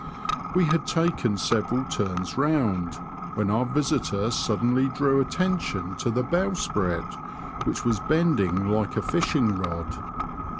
We had taken several turns round, when our visitor suddenly drew attention to the bowsprit, which was bending like a fishing rod.